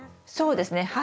そうですね。